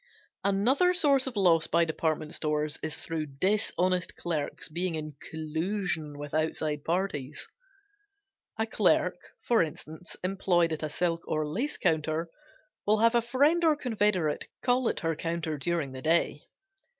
Another source of loss by department stores is through dishonest clerks being in collusion with outside parties. A clerk, for instance, employed at a silk or lace counter, will have a friend or confederate call at her counter during the day.